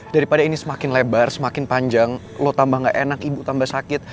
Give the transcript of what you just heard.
daripada ini semakin lebar semakin panjang lo tambah gak enak ibu tambah sakit